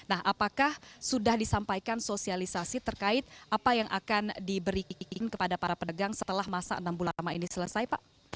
nah apakah sudah disampaikan sosialisasi terkait apa yang akan diberikan kepada para pedagang setelah masa enam bulan lama ini selesai pak